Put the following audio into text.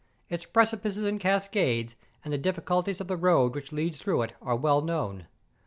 Its precipices and cascades, and the difficulty of the road which leads through it are well known.